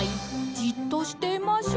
「じっとしていましょう」